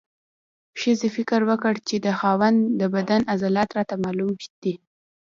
ښځې فکر وکړ چې د خاوند د بدن عضلات راته معلوم دي.